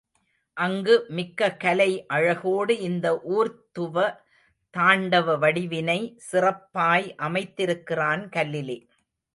அங்கு மிக்க கலை அழகோடு இந்த ஊர்த்துவ தாண்டவ வடிவினை சிறப்பாய் அமைந்திருக்கிறான் கல்லிலே.